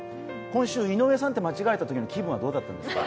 今週「井上さん」って間違えたときの気分はどうだったんですか？